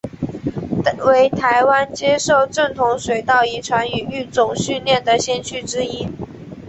为台湾接受正统水稻遗传与育种训练的先驱之一。